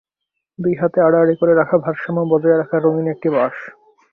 দুই হাতে আড়াআড়ি করে রাখা ভারসাম্য বজায় রাখার রঙিন একটি বাঁশ।